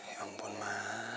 ya ampun ma